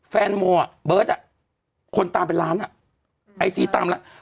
โมอ่ะเบิร์ตอ่ะคนตามเป็นล้านอ่ะไอจีตามล้าน